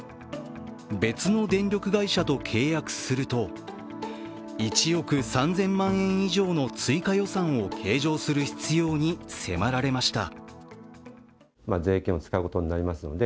別の電力会社と契約すると１億３０００万円以上の追加予算を計上する必要に迫られました。